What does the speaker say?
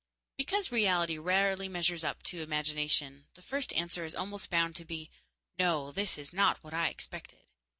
Because reality rarely measures up to imagination, the first answer is almost bound to be, "No, this is not what I expected."